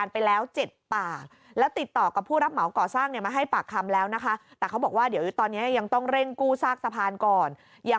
ความคืบหน้าทางคดีล่ะ